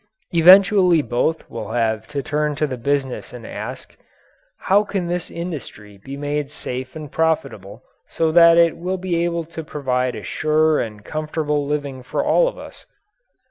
Eventually both will have to turn to the business and ask, "How can this industry be made safe and profitable, so that it will be able to provide a sure and comfortable living for all of us?"